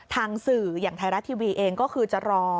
ทางสื่ออย่างไทยรัฐทีวีเองก็คือจะรอ